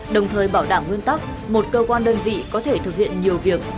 đồng thời bảo đảm nguyên tắc một cơ quan đơn vị có thể thực hiện nhiều việc